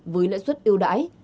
với lãnh xuất yêu đãi